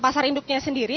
pasar induknya sendiri